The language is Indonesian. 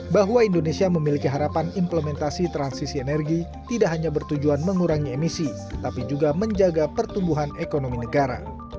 bahwa indonesia memiliki harapan implementasi transisi energi tidak hanya bertujuan mengurangi emisi tapi juga menjaga pertumbuhan ekonomi negara